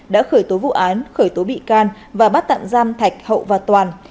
đã khởi tố vụ án khởi tố bị can và bắt tạm giam thạch hậu và toàn